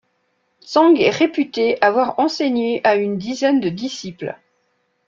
Zhang est réputé avoir enseigné à une dizaine de disciples.